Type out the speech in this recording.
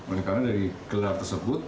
oleh karena dari gelar tersebut